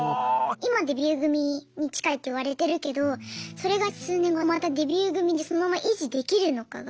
今デビュー組に近いって言われてるけどそれが数年後またデビュー組でそのまま維持できるのかが。